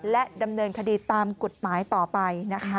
และดำเนินคดีตามกฎหมายต่อไปนะคะ